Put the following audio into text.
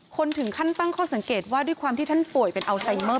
คนถึงขั้นตั้งข้อสังเกตว่าด้วยความที่ท่านป่วยเป็นอัลไซเมอร์